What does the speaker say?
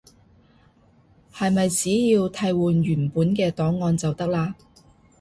係咪只要替換原本嘅檔案就得喇？